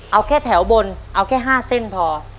เอาแค่แถวบนเอาแค่๕เส้นพอ